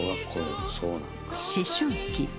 思春期。